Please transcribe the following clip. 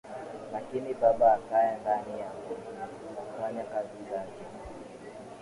lakini Baba akaaye ndani yangu huzifanya kazi zake